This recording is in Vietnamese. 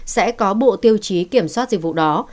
sẽ có bộ tiêu chí kiểm soát dịch vụ đó